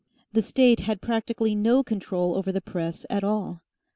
The State had practically no control over the press at all.